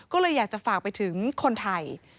ก็เลยอยากจะฝากไปถึงคนไทย